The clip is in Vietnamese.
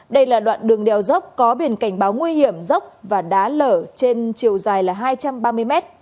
đây là đoạn đường đèo dốc có biển cảnh báo nguy hiểm dốc và đá lở trên chiều dài là hai trăm ba mươi mét